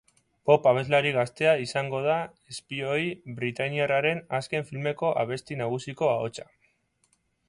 Pop abeslari gaztea izango da espioi britainiarraren azken filmeko abesti nagusiko ahotsa.